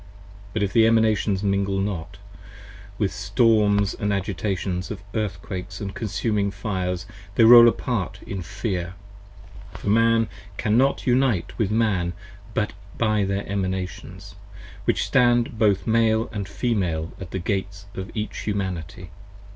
But if the Emanations mingle not: with storms & agitations Of earthquakes & consuming fires they roll apart in fear. 10 For Man cannot unite with Man but by their Emanations, Which stand both Male & Female at the Gates of each Humanity.